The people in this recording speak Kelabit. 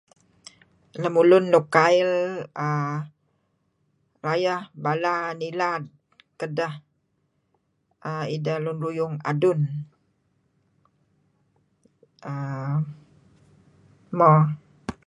Lemulun luk kail err rayeh bala ngilad kedeh ideh lun ruyung Adun. Mo.